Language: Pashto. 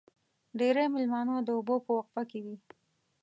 ډېری مېلمانه د اوبو په وقفه کې وي.